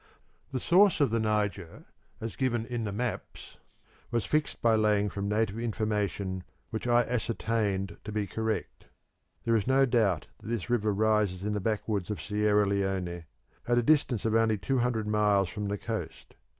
The source of the Niger, as given in the maps; was fixed by Laing from native information which I ascertained to be correct. There is no doubt that this river rises in the backwoods of Sierra Leone, at a distance of only two hundred miles from the coast.